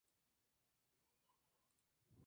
Es un eje viario que une Huesca con el Valle de Arán.